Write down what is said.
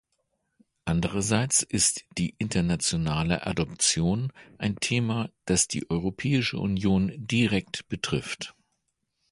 Andererseits ist die internationale Adoption ein Thema, das die Europäische Union direkt betrifft.